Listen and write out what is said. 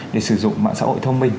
để sử dụng mạng xã hội thông minh